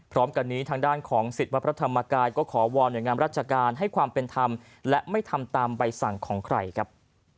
พร้อมกันนี้ทางด้านของสิทธิ์วัดพระธรรมกายก็ขอวอนหน่วยงานราชการให้ความเป็นธรรมและไม่ทำตามใบสั่งของใครครับ